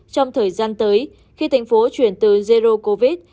trong thời gian tới khi thành phố chuyển từ zero covid